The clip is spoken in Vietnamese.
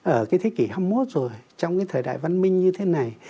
ở cái thế kỷ hai mươi một rồi trong cái thời đại văn minh như thế này